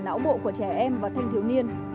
não bộ của trẻ em và thanh thiếu niên